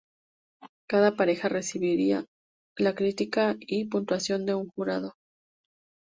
Cada pareja recibirá la crítica y puntuación de un jurado.